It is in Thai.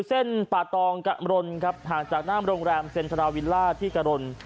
เส้นป่าตองกะมรนครับห่างจากหน้าโรงแรมเซ็นทราวิลล่าที่กะรน